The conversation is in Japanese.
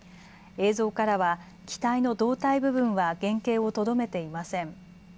映像からは機体の胴体部分は原形をとどめていません。